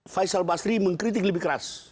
faisal basri mengkritik lebih keras